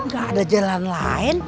gak ada jalan lain